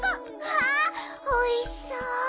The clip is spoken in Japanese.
わあおいしそう！